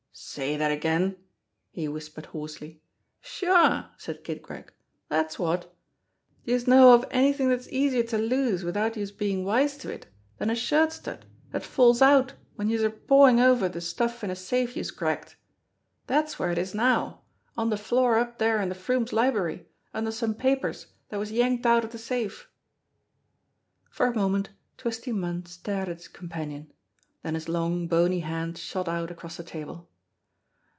"Say dat again !" he whispered hoarsely. "Sure!" said Kid Gregg. "Dat's wot! D'youse know of anythin' dat's easier to lose widout youse bein' wise to it dan a shirt stud dat falls out w'en youse're pawin' over de stuff in a safe youse've cracked ? Dat's where it is now on JACKALS 203 de floor up dere in de Froomes' library under some papers dat was yanked out of de safe." For a moment Twisty Munn stared at his companion, then his long, bony hand shot out across the table.